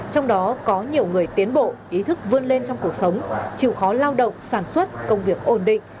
trong đó có nhiều người tiến bộ ý thức vươn lên trong cuộc sống chịu khó lao động sản xuất công việc ổn định